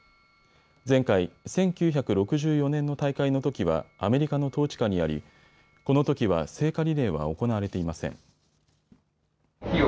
前回、１９６４年の大会のときはアメリカの統治下にありこのときは聖火リレーは行われていません。